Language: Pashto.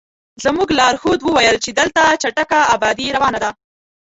زموږ لارښود وویل چې دلته چټکه ابادي روانه ده.